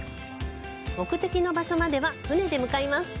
目的の場所までは船で向かいます。